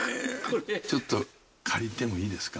ちょっと借りてもいいですか？